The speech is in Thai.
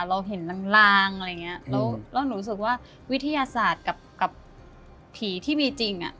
เราเห็นลางลางอะไรอย่างเงี้ยแล้วหนูรู้สึกว่าวิทยาศาสตร์กับผีที่มีจริงอ่ะ